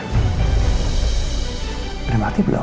udah mati belum